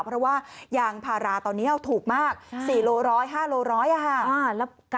เพราะว่ายางพาราตอนนี้ถูกมาก๔โล๑๐๕โลร้อยค่ะ